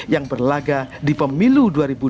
yang berlaga di pemilu dua ribu dua puluh